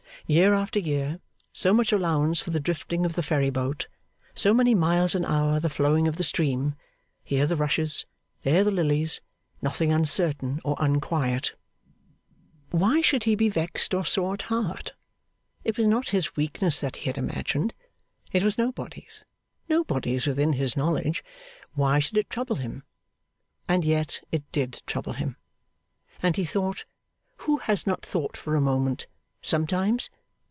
Year after year so much allowance for the drifting of the ferry boat, so many miles an hour the flowing of the stream, here the rushes, there the lilies, nothing uncertain or unquiet. Why should he be vexed or sore at heart? It was not his weakness that he had imagined. It was nobody's, nobody's within his knowledge; why should it trouble him? And yet it did trouble him. And he thought who has not thought for a moment, sometimes?